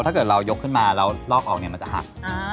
ถ้าเกิดเรายกขึ้นมาแล้วลอกออกเนี่ยมันจะหัก